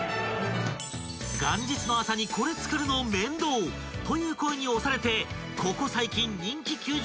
［元日の朝にこれ作るの面倒！という声に押されてここ最近］